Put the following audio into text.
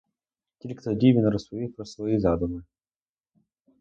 Тільки тоді він розповів про свої задуми.